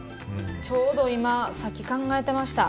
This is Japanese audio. ちょうど今さっき考えてました。